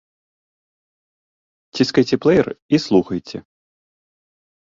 Ціскайце плэер і слухайце.